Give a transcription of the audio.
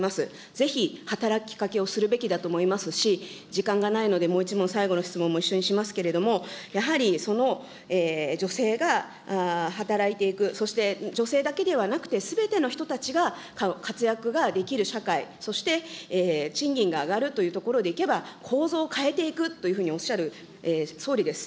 ぜひ、働きかけをするべきだと思いますし、時間がないので、もう１問、最後の質問も一緒にしますけれども、やはりその女性が働いていく、そして女性だけではなくて、すべての人たちが活躍ができる社会、そして賃金が上がるというところでいけば、構造を変えていくというふうにおっしゃる総理です。